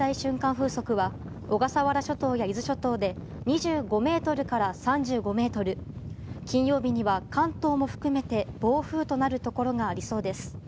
風速は小笠原諸島や伊豆諸島で２５メートルから３５メートル金曜日には関東も含めて暴風となるところがありそうです。